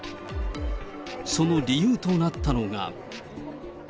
その理由となったのが。